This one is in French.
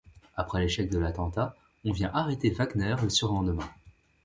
Après l'échec de l’attentat, on vient arrêter Wagner le surlendemain.